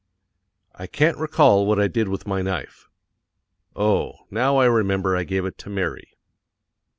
I can't recall what I did with my knife. Oh, now I remember I gave it to Mary.